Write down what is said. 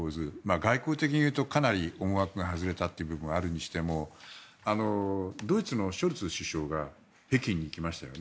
外交的には思惑が外れたということはあるにしてもドイツのショルツ首相が北京に来ましたよね。